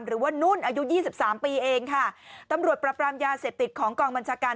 หรือว่านุ่นอายุยี่สิบสามปีเองค่ะตำรวจปรับปรามยาเสพติดของกองบัญชาการ